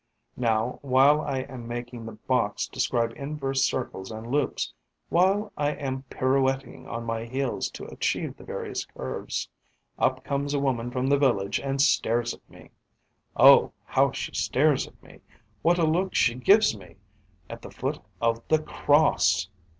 Now, while I am making the box describe inverse circles and loops, while I am pirouetting on my heels to achieve the various curves, up comes a woman from the village and stares at me. Oh, how she stares at me, what a look she gives me! At the foot of the cross!